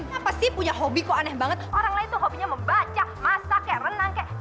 apa sih punya hobi kok aneh banget orang lain tuh hobinya membaca masak kayak renang kek